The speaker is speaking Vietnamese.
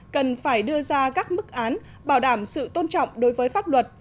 cần phải đưa ra các mức án bảo đảm sự tôn trọng đối với pháp luật